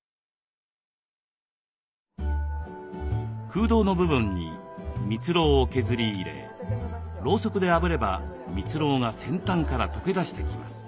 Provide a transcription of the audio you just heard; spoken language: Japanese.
空洞の部分に蜜ろうを削り入れろうそくであぶれば蜜ろうが先端から溶けだしてきます。